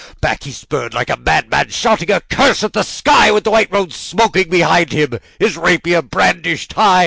Back, he spurred like a madman, shrieking a curse to the sky, With the white road smoking behind him and his rapier brandished high!